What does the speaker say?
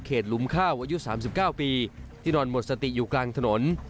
หลุมข้าวอายุ๓๙ปีที่นอนหมดสติอยู่กลางถนน